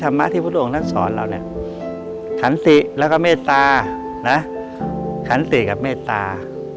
ขันติแล้วก็เมตตาขันติกับเมตตา